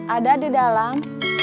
ada di dalam